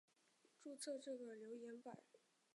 注册这个留言版并不代表一定要发表想法或意见。